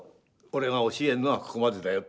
「俺が教えるのはここまでだよ」